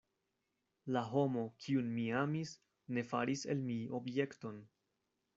La homo, kiun mi amis, ne faris el mi objekton.